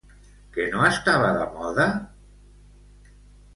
Què no estava de moda?